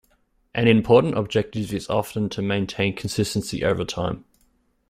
An important objective is often to maintain consistency over time.